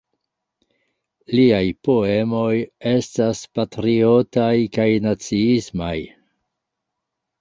Liaj poemoj estas patriotaj kaj naciismaj.